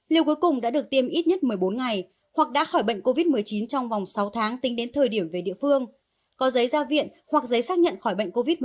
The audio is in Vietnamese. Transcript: liều cuối cùng đã được tiêm ít nhất một mươi bốn ngày hoặc đã khỏi bệnh covid một mươi chín trong vòng sáu tháng tính đến thời điểm về địa phương có giấy ra viện hoặc giấy xác nhận khỏi bệnh covid một mươi chín